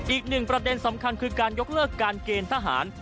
อีกหนึ่งประเด็นสำคัญคือการยกเลิกการเกณฑ์ทหาร